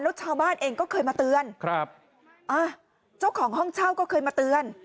แล้วชาวบ้านเองก็เคยมาเตือนครับอ่ะเจ้าของห้องเช่าก็เคยมาเตือน